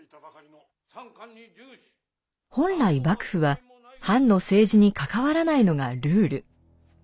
本来幕府は藩の政治に関わらないのがルール。